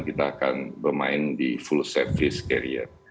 kita akan bermain di full service carrier